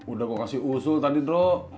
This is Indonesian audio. udah kok kasih usul tadi nro